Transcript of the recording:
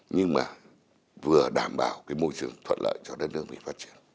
nhưng mà vừa đảm bảo cái môi trường thuận lợi cho đất nước mình phát triển